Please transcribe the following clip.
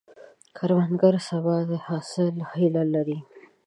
کروندګر د سبا د حاصل هیله لري